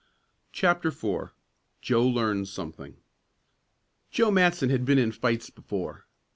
CHAPTER IV JOE LEARNS SOMETHING Joe Matson had been in fights before.